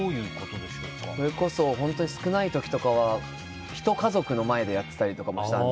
本当に少ない時とかは１家族の前でやってたりとかもしたので。